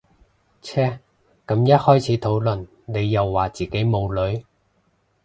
唓咁一開始討論你又話自己冇女